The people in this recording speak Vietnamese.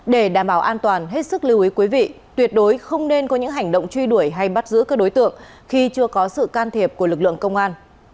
để đảm bảo an toàn hết sức lưu ý quý vị tuyệt đối không nên có những hành động truy đuổi hay bắt giữ các đối tượng khi chưa có sự can thiệp của lực lượng công an